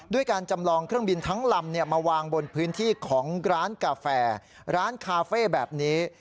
การจำลองเครื่องบินทั้งลำมาวางบนพื้นที่ของร้านกาแฟร้านคาเฟ่แบบนี้